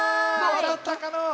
あたったかのう？